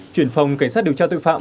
chuyển phòng cảnh sát điều tra tội phạm